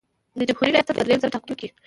د جمهوري ریاست په دریم ځل ټاکنو کې.